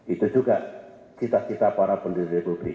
itu juga cita cita para pendiri republik